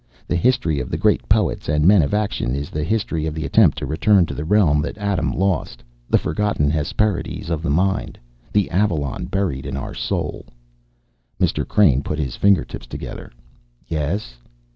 The history of the great poets and men of action is the history of the attempt to return to the realm that Adam lost, the forgotten Hesperides of the mind, the Avalon buried in our soul." Mr. Crane put his fingertips together. "Yes?"